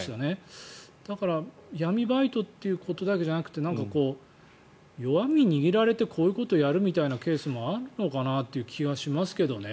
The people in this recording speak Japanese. だから、闇バイトということだけじゃなくて弱みを握られてこういうことをやるみたいなケースもあるのかなという気はしますけどね。